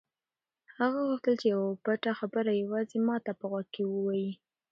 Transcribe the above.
هغه غوښتل چې یوه پټه خبره یوازې ما ته په غوږ کې ووایي.